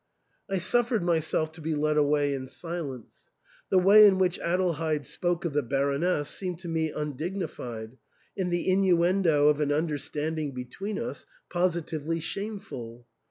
I suffered myself to be led away in silence. The way in which Adelheid spoke of the Baroness seemed to me undignified, and the innuendo of an understanding between us positively shameful.